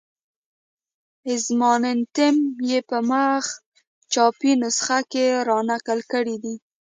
اظماننتم یې په مخ چاپي نسخه کې را نقل کړی دی.